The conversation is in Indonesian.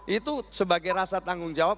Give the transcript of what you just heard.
itu sebagai rasa tanggung jawab